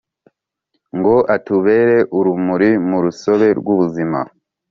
ngo atubere urumuri mu rusobe rw’ubuzima